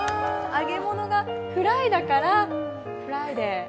揚げ物がフライだからフライデー。